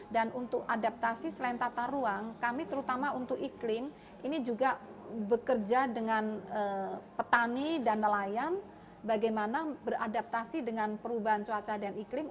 dan untuk adaptasi selain tata ruang kami terutama untuk iklim ini juga bekerja dengan petani dan nelayan bagaimana beradaptasi dengan perubahan cuaca dan iklim